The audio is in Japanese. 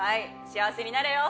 幸せになれよ。